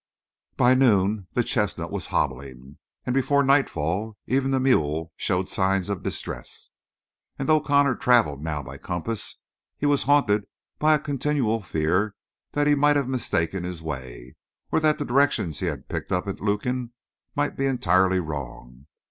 By noon the chestnut was hobbling, and before nightfall even the mule showed signs of distress. And though Connor traveled now by compass, he was haunted by a continual fear that he might have mistaken his way, or that the directions he had picked up at Lukin might be entirely wrong.